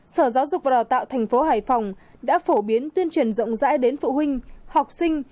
sở giáo dục và đào tạo thành phố hải phòng đã phổ biến tuyên truyền rộng rãi đến phụ huynh học sinh